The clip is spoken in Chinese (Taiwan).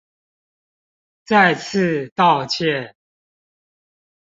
再次道歉